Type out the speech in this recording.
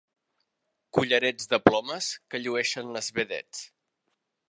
Collarets de plomes que llueixen les vedets.